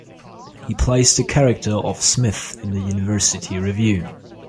He plays the character of Smith in the University review.